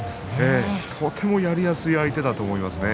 とてもやりやすい相手だと思いますね